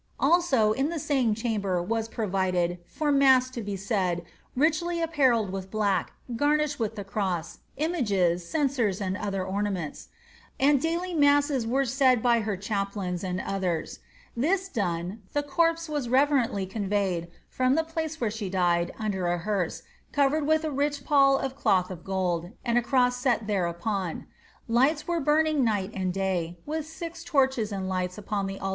Also, in the same chamber, was pro vided, for mass to be said, richly apparelled with black, garnished with the cross, images, censers, and other ornaments. And daily masses were said by her chaplains, and others. This done, the corpse was reverently conveyed, from the place where she died, under a hearse, covered with a rich pall of cloth of gold, and a cross set thereupon : lights were burning night and day; witli six torches and lights upon the altar all 'Supposed to be Oct.